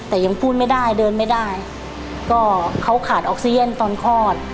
แต่ยังพูดไม่ได้เดินไม่ได้ก็เขาขาดออกซีเย็นตอนคลอด